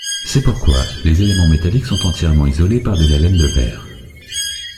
C’est pourquoi, les éléments métalliques sont entièrement isolés par de la laine de verre.